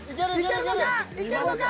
いけるのか！？